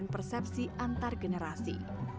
dan persepsi antargenerasi